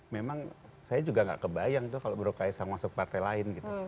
memang saya juga gak kebayang tuh kalau bro kaisang masuk partai lain gitu